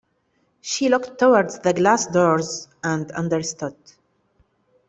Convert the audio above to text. She looked towards the glass doors and understood.